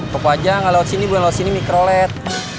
kopo aja nggak lewat sini bukan lewat sini microled